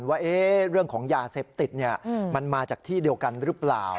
ว่าเรื่องของยาเสพติดมันมาจากที่เดียวกันหรือเปล่า